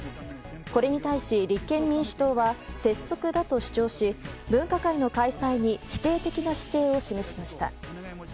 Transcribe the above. これに対し、立憲民主党は拙速だと主張し、分科会の開催に否定的な姿勢を示しました。